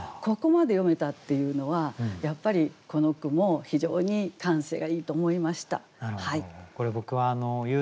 ここまで詠めたっていうのはやっぱりこの句も非常に感性がいいと思いました。